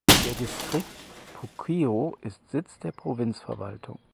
Der Distrikt Puquio ist Sitz der Provinzverwaltung.